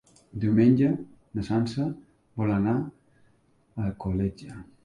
Diumenge na Sança vol anar a Alcoleja.